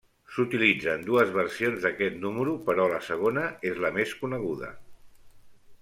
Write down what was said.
S'utilitzen dues versions d'aquest número, però la segona és la més coneguda.